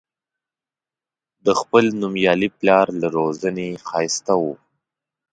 د خپل نومیالي پلار له روزنې ښایسته و.